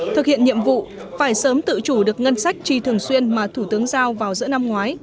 thực hiện nhiệm vụ phải sớm tự chủ được ngân sách tri thường xuyên mà thủ tướng giao vào giữa năm ngoái